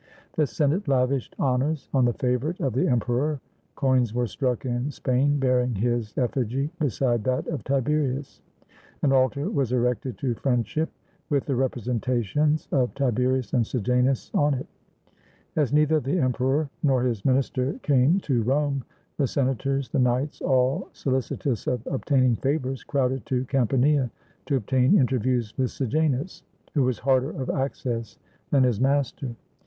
The Senate lavished honors on the favorite of the emperor; coins were struck in Spain bearing his effigy beside that of Tiberius. An altar was erected to friend ship, with the representations of Tiberius and Sejanus on it. As neither the emperor nor his minister came to Rome, the senators, the knights, all solicitous of obtain ing favors, crowded to Campania to obtain interviews with Sejamis, who was harder of access than his master.